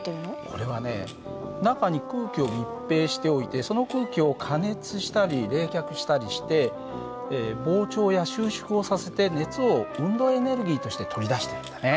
これはね中に空気を密閉しておいてその空気を加熱したり冷却したりして膨張や収縮をさせて熱を運動エネルギーとして取り出してるんだね。